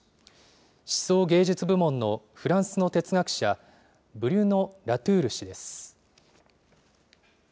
思想芸術部門のフランスの哲学者、ブリュノ・ラトゥール氏です。